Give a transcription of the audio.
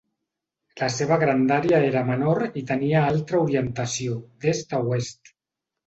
La seva grandària era menor i tenia altra orientació: d'est a oest.